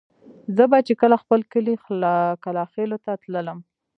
زه به چې کله خپل کلي کلاخېلو ته تللم.